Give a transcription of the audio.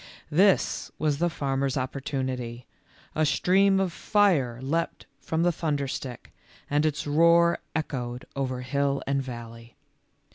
This was the farmer's opportunity — a stream of fire leaped from the thunderstick, and its roar echoed over hill and valley.